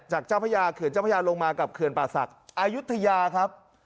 เจ้าพระยาเขื่อนเจ้าพระยาลงมากับเขื่อนป่าศักดิ์อายุทยาครับ